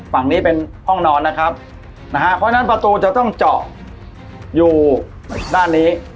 ฝั่งนี้เป็นห้องนอนนะครับนะฮะเพราะฉะนั้นประตูจะต้องเจาะอยู่ด้านนี้